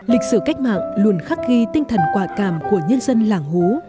lịch sử cách mạng luôn khắc ghi tinh thần quả cảm của nhân dân làng hú